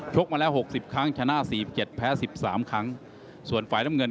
มาแล้วหกสิบครั้งชนะสี่สิบเจ็ดแพ้สิบสามครั้งส่วนฝ่ายน้ำเงิน